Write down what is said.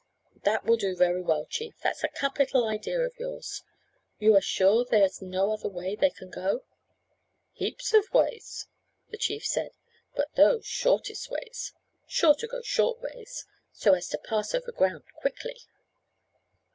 "That will do very well, chief; that's a capital idea of yours. You are sure that there's no other way they can go?" "Heaps of ways," the chief said, "but those shortest ways sure to go short ways, so as to pass over ground quickly."